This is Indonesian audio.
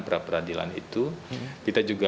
peradilan itu kita juga